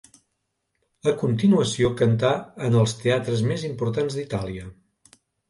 A continuació cantà en els teatres més importants d'Itàlia.